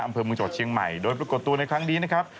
อำเภอเมืองจังหวัดเชียงใหม่โดยปรากฏตัวในครั้งนี้นะครับ